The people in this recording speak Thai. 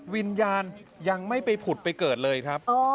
วิญญาณยังไม่ไปผุดไปเกิดเลยครับ